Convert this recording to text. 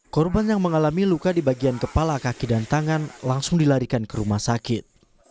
korban yang mengalami luka di bagian kepala kaki dan tangan langsung dilarikan ke rumah sakit